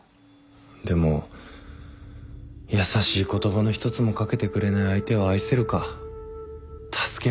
でも優しい言葉の一つも掛けてくれない相手を愛せるか助けられるのかっていうと。